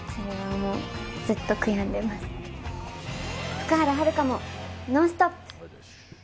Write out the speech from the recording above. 福原遥も「ノンストップ！」。